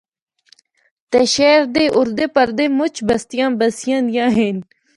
تے شہر دے اُردے پَردے مُچ بستیاں بسیاں دیّاں ہن۔